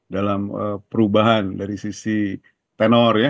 dalam perubahan dari sisi tenor ya